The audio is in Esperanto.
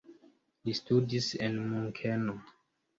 Li studis en Munkeno.